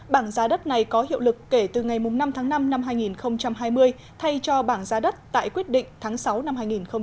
bảng giá đất này có hiệu lực kể từ ngày năm tháng năm năm hai nghìn hai mươi thay cho bảng giá đất tại quyết định tháng sáu năm hai nghìn hai mươi